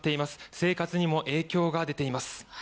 生活にも影響が出ています。